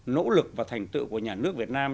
nỗ lực và thành tựu của nhà nước việt nam